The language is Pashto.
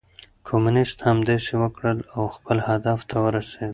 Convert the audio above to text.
کمونيسټ همداسې وکړل او خپل هدف ته ورسېد.